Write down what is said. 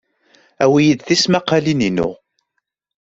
Awi-iyid tismaqalin-inu.